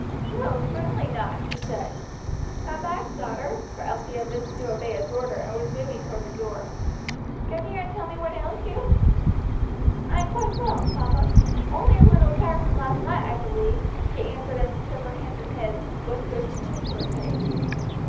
"No, certainly not," he said. "Come back, daughter," for Elsie had risen to obey his order, and was moving toward the door, "come here and tell me what ails you?" "I am quite well, papa, only a little tired from last night, I believe," she answered, as he took her hands in his and looked searchingly into her face.